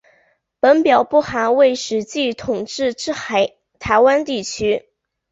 本表不含未实际统治之台湾地区。